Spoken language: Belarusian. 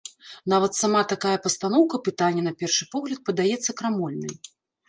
Нават сама такая пастаноўка пытання на першы погляд падаецца крамольнай.